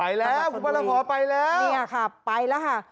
ไปแล้วอุปลหัวไปแล้วเนี่ยค่ะไปแล้วค่ะ